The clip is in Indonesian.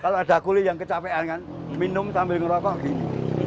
kalau ada kulit yang kecapean kan minum sambil ngerokok gini